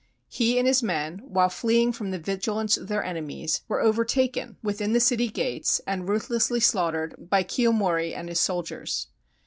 He and his men, while fleeing from the vigilance of their enemies, were overtaken within 299 JAPAN the city gates, and ruthlessly slaughtered by Kiyomori and his soldiers.